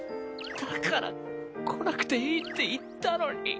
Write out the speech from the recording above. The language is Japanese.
だから来なくていいって言ったのに。